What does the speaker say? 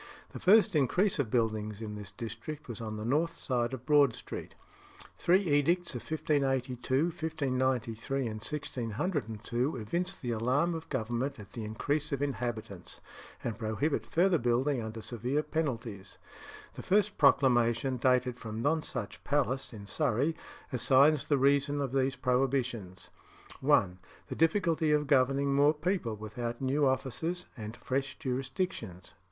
The first increase of buildings in this district was on the north side of Broad Street. Three edicts of 1582, 1593, and 1602 evince the alarm of Government at the increase of inhabitants and prohibit further building under severe penalties. The first proclamation, dated from Nonsuch Palace, in Surrey, assigns the reason of these prohibitions: 1. The difficulty of governing more people without new officers and fresh jurisdictions.